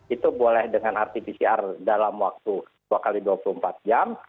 itu boleh dengan rt pcr dalam waktu dua x dua puluh empat jam